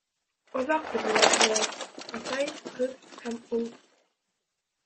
Оҙаҡ торҙолар шулай: атай, ҡыҙ һәм ул.